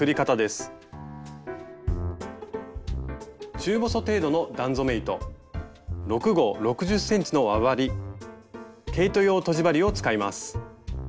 中細程度の段染め糸６号６０ｃｍの輪針毛糸用とじ針を使います。